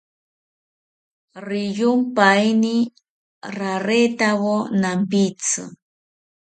Riyompaeni raretawo nampitzi